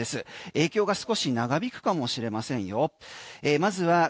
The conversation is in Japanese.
影響が少し長引くかもしれませんよ。